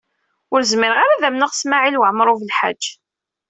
Ur zmireɣ ara ad amneɣ Smawil Waɛmaṛ U Belḥaǧ.